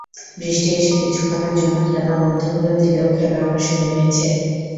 বৃষ্টি এসে কিছুক্ষণের জন্য খেলা বন্ধ করে দিলেও খেলা আবার শুরু হয়েছে।